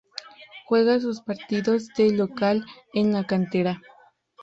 Juega sus partidos de local en La Cantera.